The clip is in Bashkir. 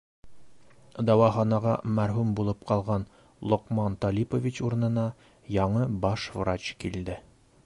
Дауаханаға мәрхүм булып ҡалған Лоҡман Талипович урынына яңы баш врач килде.